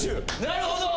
なるほど！